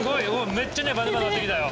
めっちゃネバネバなってきたよ。